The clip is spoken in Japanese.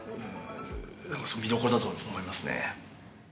見どころだと思いますね。